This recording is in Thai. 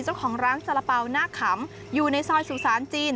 เจ้าของร้านสาระเป๋าหน้าขำอยู่ในซอยสุสานจีน